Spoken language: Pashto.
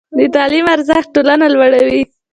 د تعلیم ارزښت ټولنه لوړوي.